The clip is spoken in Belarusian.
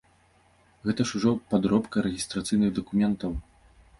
Гэта ж ужо падробка рэгістрацыйных дакументаў.